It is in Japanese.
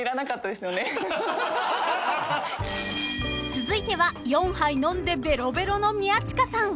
［続いては４杯飲んでべろべろの宮近さん］